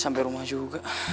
sampai rumah juga